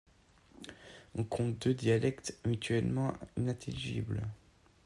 On compte deux dialectes mutuellement inintelligibles.